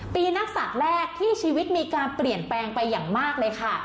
ปีนักศัตริย์แรกที่ชีวิตมีการเปลี่ยนแปลงไปอย่างมากเลยค่ะ